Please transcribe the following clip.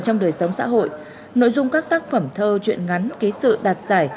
nội dung các tác phẩm thơ chuyện ngắn ký sự đạt giải